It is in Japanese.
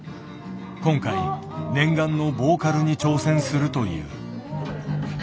今回念願のボーカルに挑戦するという。